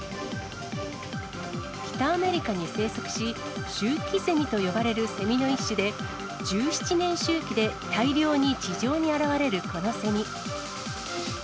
北アメリカに生息し、周期ゼミと呼ばれるセミの一種で、１７年周期で大量に地上に現れるこのセミ。